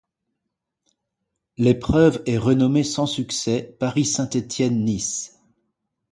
L'épreuve est renommée sans succès Paris-Saint-Étienne-Nice.